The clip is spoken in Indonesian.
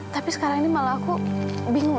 tapi sekarang ini malah aku bingung